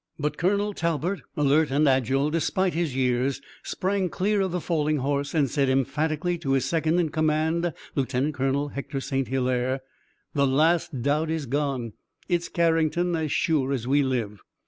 But Colonel Talbot, alert and agile, despite his years, sprang clear of the falling horse and said emphatically to his second in command, Lieutenant Colonel Hector St. Hilaire: "The last doubt is gone! It's Carrington as sure as we live!"